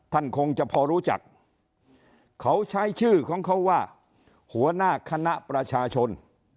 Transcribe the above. คงจะพอรู้จักเขาใช้ชื่อของเขาว่าหัวหน้าคณะประชาชน